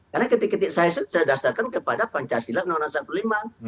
karena kritik kritik saya saya dasarkan kepada pancasila nonasa kepala